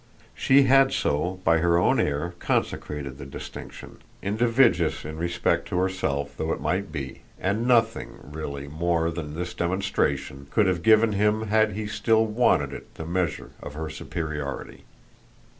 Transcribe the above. She had so by her own air consecrated the distinction, invidious in respect to herself though it might be; and nothing, really, more than this demonstration, could have given him had he still wanted it the measure of her superiority.